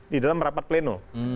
di dalam rapat pleno